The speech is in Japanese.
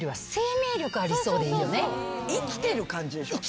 生きてる感じでしょ？